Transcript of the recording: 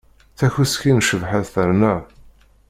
Takuski n Cabḥa terna.